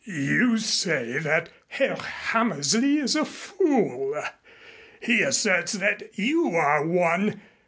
"You say that Herr Hammersley is a fool. He asserts that you are one.